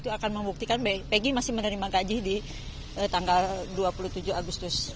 itu akan membuktikan pg masih menerima gaji di tanggal dua puluh tujuh agustus